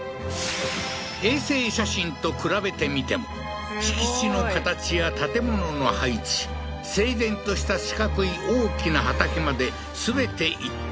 衛星写真と比べてみても敷地の形や建物の配置整然とした四角い大きな畑まで全て一致